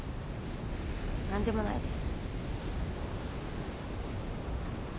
何でもないです。